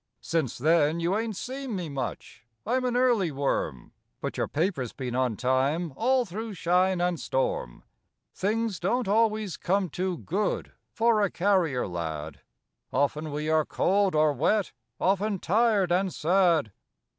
Since then you ain't seen me much ; I'm an early worm. But your paper's been on time All through shine and storm. Things don't always come too good For a carrier lad. Often we are cold or wet, Often tired and sad.